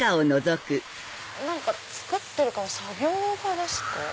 何か作ってるから作業場ですか？